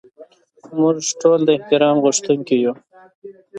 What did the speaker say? موږ ټول د احترام غوښتونکي یو.